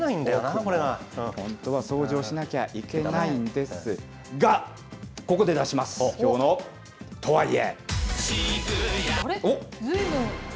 本当は掃除をしなきゃいけないんですが、ここで出します、きょうのとは言え。